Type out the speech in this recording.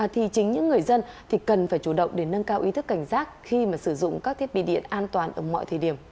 thì chính những người dân thì cần phải chủ động để nâng cao ý thức cảnh giác khi mà sử dụng các thiết bị điện an toàn ở mọi thời điểm